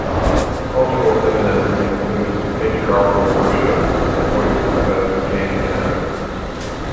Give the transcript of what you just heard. Cultural feminism includes "matriarchal worship", according to Professor James Penner.